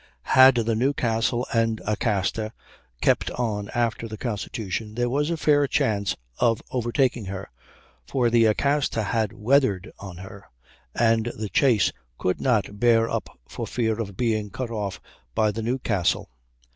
Had the Newcastle and Acasta kept on after the Constitution there was a fair chance of overtaking her, for the Acasta had weathered on her, and the chase could not bear up for fear of being cut off by the Newcastle.